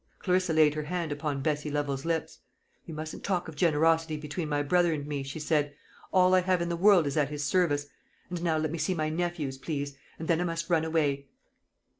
Clarissa laid her hand upon Bessie Lovel's lips. "You mustn't talk of generosity between my brother and me," she said; "all I have in the world is at his service. And now let me see my nephews, please; and then I must run away."